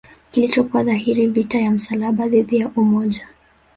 kilichokuwa dhahiri vita ya msalaba dhidi ya umoja